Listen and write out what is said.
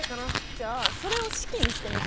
じゃあそれを式にしてみて。